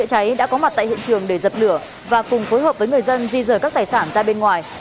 có mặt tại hiện trường để giật lửa và cùng phối hợp với người dân di rời các tài sản ra bên ngoài